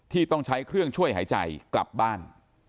ต้องใช้เครื่องช่วยหายใจกลับบ้าน